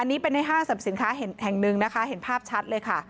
อันนี้เป็นในห้างสรรพสินค้าแห่งหนึ่งนะคะเห็นภาพชัดเลยค่ะ